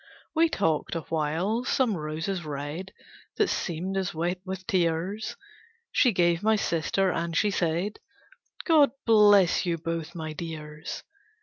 We talked awhile, some roses red That seemed as wet with tears, She gave my sister, and she said, "God bless you both, my dears!"